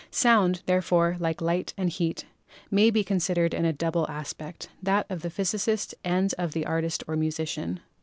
Sound, therefore, like Light and Heat, may be con sidered in a double aspect, that of the physicist and that of the artist or musician.